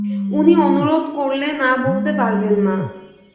উনি অনুরোধ করলে না বলতে পারবেন না।